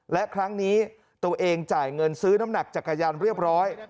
และครั้งนี้ตัวเองจ่ายเงินซื้อน้ำหนักจักรยานเรียบร้อย